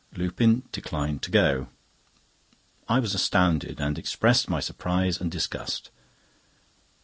Lupin declined to go. I was astounded, and expressed my surprise and disgust.